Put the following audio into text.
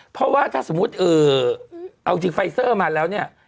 เพราะว่าถ้าสมมุติเอาจริงไฟเซอร์มาแล้วเนี่ย